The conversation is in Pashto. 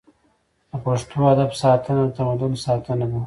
د پښتو ادب ساتنه د تمدن ساتنه ده.